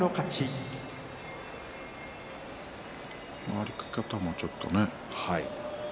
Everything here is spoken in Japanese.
歩き方もちょっとね。